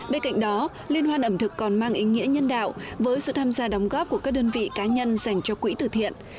bên cạnh đó liên hoan ẩm thực còn mang ý nghĩa nhân đạo với sự tham gia đóng góp của các đơn vị cá nhân dành cho quỹ tử thiện